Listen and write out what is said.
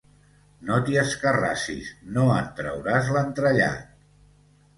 No t'hi escarrassis, no en trauràs l'entrellat!